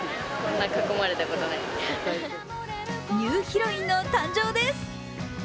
ニューヒロインの誕生です。